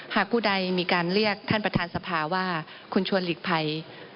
ผู้ใดมีการเรียกท่านประธานสภาว่าคุณชวนหลีกภัย